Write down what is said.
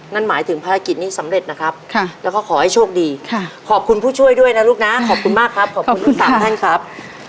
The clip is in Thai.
นั่นหมายถึงภารกิจนี้สำเร็จนะครับแล้วก็ขอให้โชคดีขอบคุณผู้ช่วยด้วยนะลูกนะขอบคุณมากครับขอบคุณทั้ง๓ท่านครับ